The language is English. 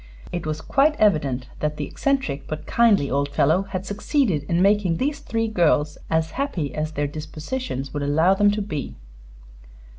It was quite evident that the eccentric but kindly old fellow had succeeded in making these three girls as happy as their dispositions would allow them to be.